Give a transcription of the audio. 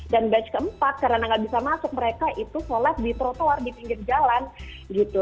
dan batch keempat karena nggak bisa masuk mereka itu sholat di trotoar di pinggir jalan gitu